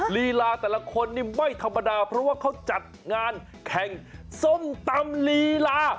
ลีลาแต่ละคนนี่ไม่ธรรมดาเพราะว่าเขาจัดงานแข่งส้มตำลีลา